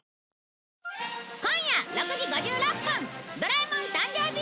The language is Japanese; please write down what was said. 今夜６時５６分『ドラえもん』誕生日